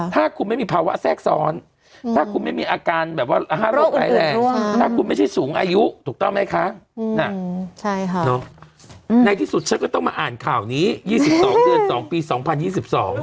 ถ้าคู่ไม่ได้สูงอายุถูกต้องไหมคะอือปั๊บลูกใจค่ะน่ะในที่สุดฉันก็ต้องมาอ่านข่าวนี้ยี่สิบสองเดือนสองปีสองพัน